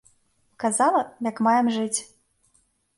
Казала, як маем жыць.